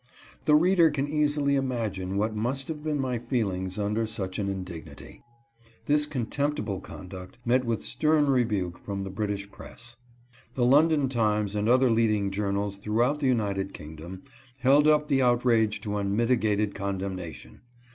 The reader can easily imagine what must have been my feelings under such an indignity. This contemptible conduct met with stern rebuke from ME. CUNARD APOLOGIZES. 319 the British press. The London Times and other leading journals throughout the United Kingdom held up the out rage to unmitigated condemnation.